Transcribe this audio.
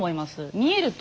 見えると。